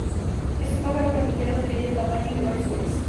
Es un pájaro carpintero de mediano tamaño y de varios colores.